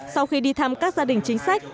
sau khi đi thăm các gia đình chính sách